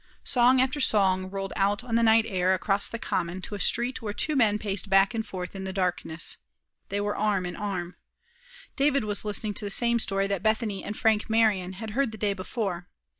Song after song rolled out on the night air across the common to a street where two men paced back and forth in the darkness. They were arm in arm. David was listening to the same story that Bethany and Frank Marion had heard the day before.